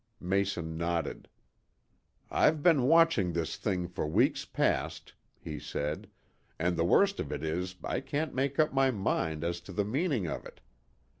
Mason nodded. "I've been watching this thing for weeks past," he said, "and the worst of it is I can't make up my mind as to the meaning of it.